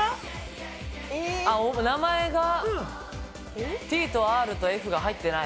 名前がＴとＲとＦが入ってない。